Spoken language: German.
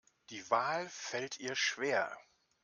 Die Wahl fällt ihr schwer.